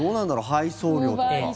配送料とか。